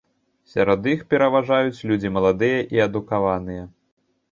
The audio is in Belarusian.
Сярод іх пераважаюць людзі маладыя і адукаваныя.